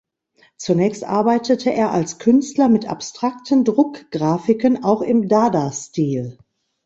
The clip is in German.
Zunächst arbeitete er als Künstler mit abstrakten Druckgrafiken, auch im Dada-Stil.